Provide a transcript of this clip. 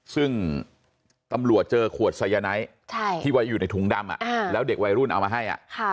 ซึ่งตำรวจเจอขวดไซยาไนท์ที่ไว้อยู่ในถุงดำแล้วเด็กวัยรุ่นเอามาให้